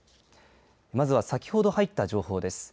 まずは先ほど入った情報です。